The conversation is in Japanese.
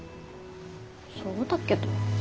そうだけど。